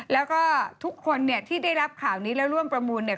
แล้วก็ทุกคนเนี่ยที่ได้รับข่าวนี้แล้วร่วมประมูลเนี่ย